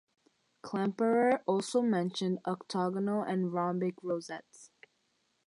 Klemperer also mentioned octagonal and rhombic rosettes.